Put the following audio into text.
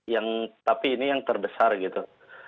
yang tapi ini yang terbesar gitu